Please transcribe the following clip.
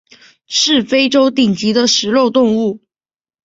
是非洲顶级的食肉动物。